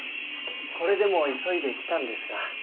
これでも急いで来たんですが。